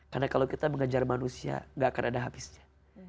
karena kalau kita mengejar manusia gak akan ada habisnya